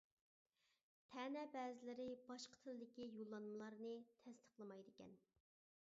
تەنە بەزىلىرى باشقا تىلدىكى يوللانمىلارنى تەستىقلىمايدىكەن.